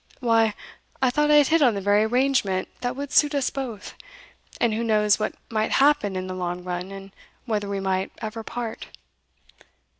"Why, I thought I had hit on the very arrangement that would suit us both, and who knows what might happen in the long run, and whether we might ever part?